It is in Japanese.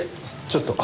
ちょっと。